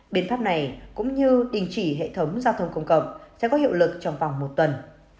biện pháp này cũng như đình chỉ hệ thống giao thông công cộng sẽ có hiệu lực trong vòng một tuần